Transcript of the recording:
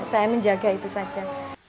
saya menjaga itu saja